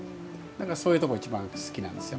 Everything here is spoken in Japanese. そういうところがいちばん好きなんですよ。